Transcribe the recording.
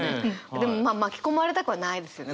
でもまあ巻き込まれたくはないですよね